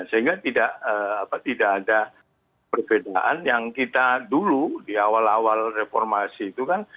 sehingga tidak ada perbedaan yang kita dulu di awal awal reformasi itu kan